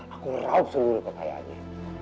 aku raup seluruh kekayaannya